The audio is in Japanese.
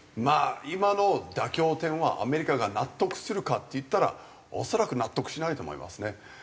まあ今の妥協点はアメリカが納得するかっていったら恐らく納得しないと思いますね。